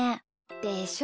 でしょ？